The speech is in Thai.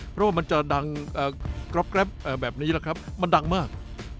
เพราะว่ามันจะดังกรอบแกรปเอ่อแบบนี้ละครับมันดังมาก